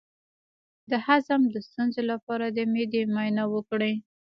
د هضم د ستونزې لپاره د معدې معاینه وکړئ